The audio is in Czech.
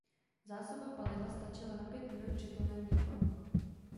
Zásoba paliva stačila na pět minut při plném výkonu.